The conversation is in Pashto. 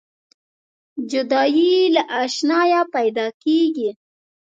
جدایي له اشناییه پیداکیږي.